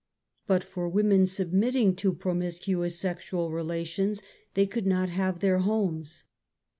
But for women submitting to promiscuous sexual relations, they could not have their homes.